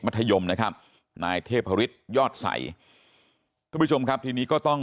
ธยมนะครับนายเทพฤษยอดใสทุกผู้ชมครับทีนี้ก็ต้อง